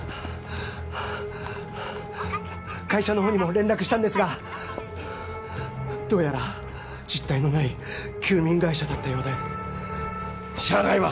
会社の方にも連絡したんですがどうやら実体のない休眠会社だったようで支払いは？